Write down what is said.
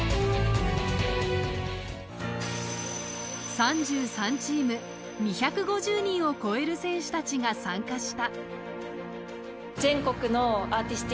３３チーム２５０人を超える選手たちが参加した。